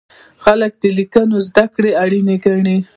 خلک د لیکلو زده کړه اړینه ګڼله.